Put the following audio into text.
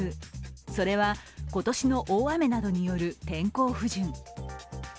それは今年の大雨などによる天候不順。